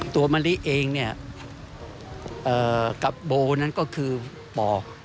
มะลิเองเนี่ยกับโบนั้นก็คือปอ